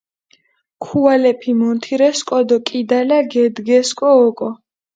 ქუალეფი მონთირესკო დო კიდალა გედგესკო ოკო.